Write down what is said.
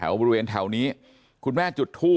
แล้วก็ยัดลงถังสีฟ้าขนาด๒๐๐ลิตร